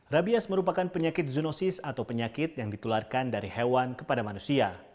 rabies merupakan penyakit zoonosis atau penyakit yang ditularkan dari hewan kepada manusia